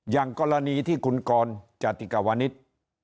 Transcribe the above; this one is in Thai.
อย่างกรณีที่คุณกรจติกาวนิษฐ์